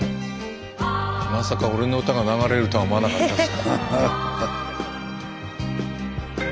まさか俺の歌が流れるとは思わなかったです。